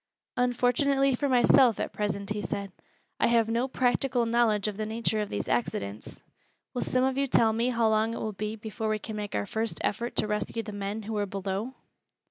"Unfortunately for myself, at present," he said, "I have no practical knowledge of the nature of these accidents. Will some of you tell me how long it will be before we can make our first effort to rescue the men who are below?"